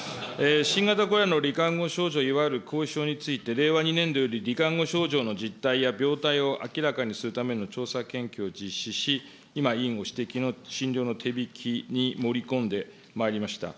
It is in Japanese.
新型コロナのり患後症状、いわゆる後遺症について令和２年度よりり患後症状の実態や病態を明らかにするための調査研究を実施し、今、委員ご指摘の診療の手引に盛り込んでまいりました。